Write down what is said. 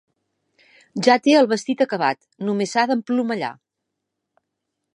Ja té el vestit acabat: només s'ha d'emplomallar.